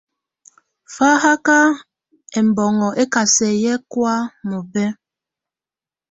Fahaka ɛmbɔnŋɔ ɛkasɛ yɛ kɔa mɔbɛ.